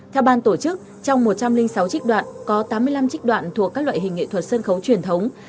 theo ban tổ chức trong một trăm linh sáu trích đoạn có tám mươi năm trích đoạn thuộc các loại hình nghệ thuật sân khấu truyền thống